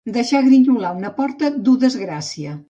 Deixar grinyolar una porta duu desgràcia.